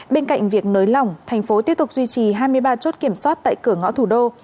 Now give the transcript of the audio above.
bên cạnh việc nới lỏng thành phố tiếp tục duy trì hai mươi ba chốt kiểm soát tại cửa ngõ thủ đô